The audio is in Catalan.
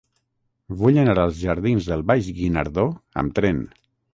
Vull anar als jardins del Baix Guinardó amb tren.